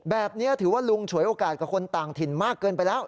แบบนี้ถือว่าลุงฉวยโอกาสกับคนต่างถิ่นมากเกินไปแล้ว